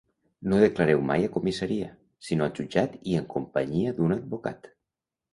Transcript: No declareu mai a comissaria, sinó al jutjat i en companyia d’un advocat.